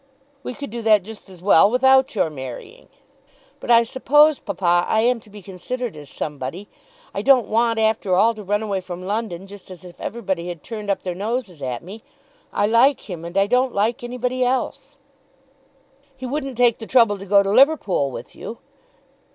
"We could do that just as well without your marrying." "But I suppose, papa, I am to be considered as somebody. I don't want after all to run away from London, just as if everybody had turned up their noses at me. I like him, and I don't like anybody else." "He wouldn't take the trouble to go to Liverpool with you."